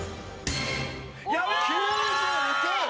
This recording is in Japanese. ９２点！